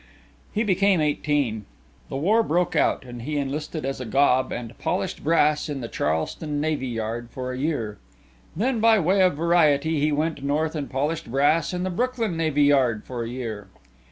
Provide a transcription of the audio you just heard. He became eighteen. The war broke out and he enlisted as a gob and polished brass in the Charleston Navy yard for a year. Then, by way of variety, he went North and polished brass in the Brooklyn Navy yard for a year.